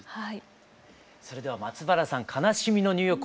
それでは松原さん「悲しみのニューヨーク」